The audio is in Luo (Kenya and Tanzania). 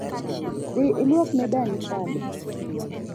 Dhi ilwuok ne dani sande